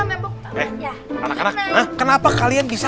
nembok anak anak kenapa kalian bisa